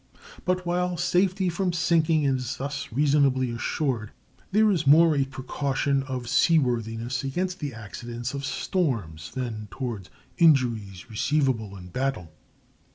] But while safety from sinking is thus reasonably assured, this is more a precaution of seaworthiness against the accidents of storms than toward injuries receivable in battle.